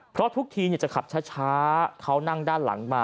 เพราะทุกทีจะขับช้าเขานั่งด้านหลังมา